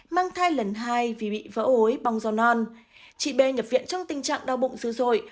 mang thai lần hai vì bị vỡ ối bong do non chị bê nhập viện trong tình trạng đau bụng dữ dội